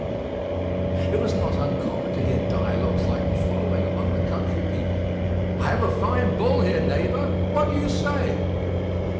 It was not uncommon to hear dialogues like the following among the country people: "I have a fine bull here, neighbour, what do you say?"